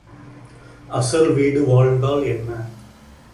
அசல் வீடு வாழ்ந்தால் என்ன?